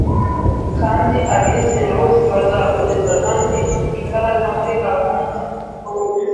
kandi abizera bose bazahuriza imbaraga hamwe muri gahunda